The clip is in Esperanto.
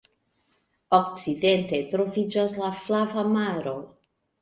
Okcidente troviĝas la Flava Maro.